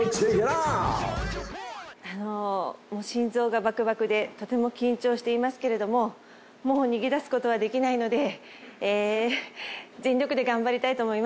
あのもう心臓がバクバクでとても緊張していますけれどももう逃げ出す事はできないので全力で頑張りたいと思います。